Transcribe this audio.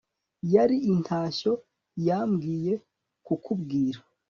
yari intashyo yambwiye kukubwira